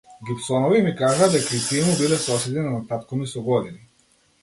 Гибсонови ми кажаа дека и тие му биле соседи на татко ми со години.